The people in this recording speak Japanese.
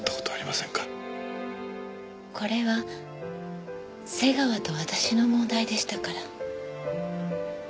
これは瀬川と私の問題でしたから。